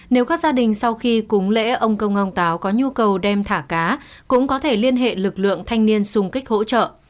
nếu các gia đình sau khi cúng lễ ông công ông táo có nhu cầu đem thả cá cũng có thể liên hệ lực lượng thanh niên xung kích hỗ trợ